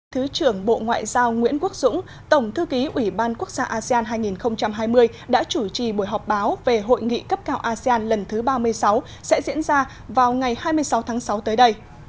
thứ trưởng bộ ngoại giao nguyễn quốc dũng tổng thư ký ủy ban quốc gia asean hai nghìn hai mươi đã chủ trì buổi họp báo về hội nghị cấp cao asean lần thứ ba mươi sáu sẽ diễn ra vào ngày hai mươi sáu tháng sáu tới đây